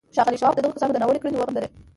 ښاغلي شواب د دغو کسانو دا ناوړه کړنې وغندلې